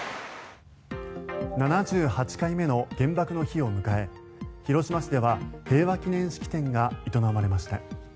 ７８回目の原爆の日を迎え広島市では平和記念式典が営まれました。